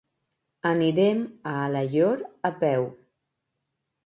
Anirem a Alaior a peu.